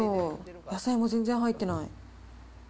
野菜も全然入ってない。